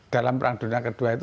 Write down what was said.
dalam perang dunia ii itu